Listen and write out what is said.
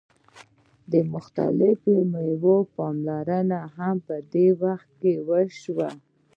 د مختلفو میوو پالنه هم په دې وخت کې وشوه.